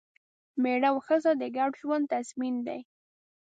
مېړه او ښځه د ګډ ژوند تضمین دی.